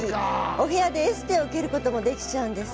お部屋でエステを受けることもできちゃうんです。